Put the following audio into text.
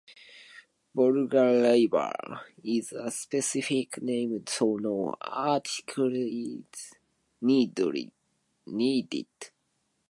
"Volga River" is a specific name, so no article is needed.